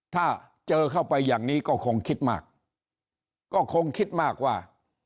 ถ้าเจอเข้าไปอย่างนี้ก็คงคิดมากก็คงคิดมากว่า